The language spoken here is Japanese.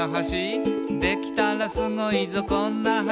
「できたらスゴいぞこんな橋」